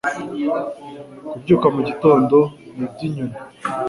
Kubyuka mugitondo ni ibyinyoni.